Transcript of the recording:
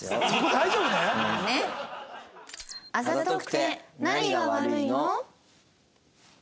あざとくて何が悪いの？